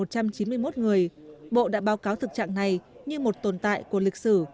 trong một trăm chín mươi một người bộ đã báo cáo thực trạng này như một tồn tại của lịch sử